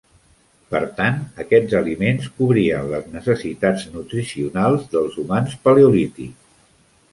Per tant, aquests aliments cobrien les necessitats nutricionals del humans paleolítics.